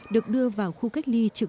được đưa vào khu cách ly trực tiếp